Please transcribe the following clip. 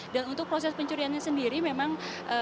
dan untuk proses pencuriannya sendiri memang